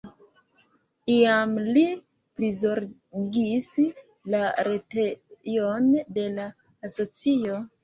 Iam li prizorgis la retejon de la asocio.